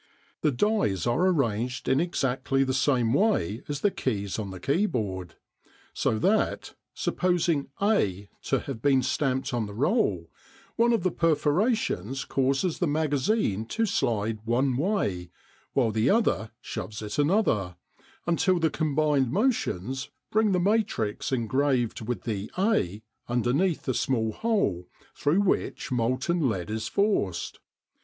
The dies are arranged in exactly the same way as the keys on the keyboard. So that, supposing A to have been stamped on the roll, one of the perforations causes the magazine to slide one way, while the other shoves it another, until the combined motions bring the matrix engraved with the A underneath the small hole through which molten lead is forced.